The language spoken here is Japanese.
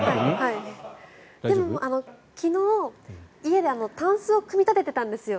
でも、昨日、家でたんすを組み立てていたんです。